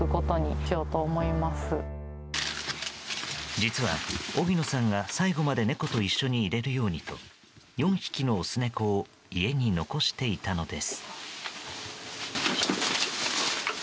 実は、荻野さんが最期まで猫と一緒にいれるようにと４匹のオス猫を家に残していたのです。